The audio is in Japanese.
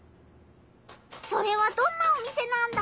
それはどんなお店なんだ？